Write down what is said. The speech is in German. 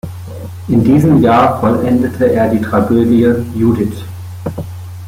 In diesem Jahr vollendete er die Tragödie "Judith".